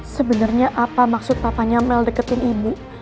sebenarnya apa maksud papanya mel deketin ibu